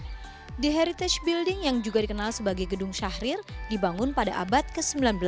the heritage building yang juga dikenal sebagai gedung syahrir dibangun pada abad ke sembilan belas